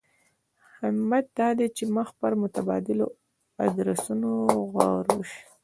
همت دا دی چې مخ پر متبادلو ادرسونو غور وشي.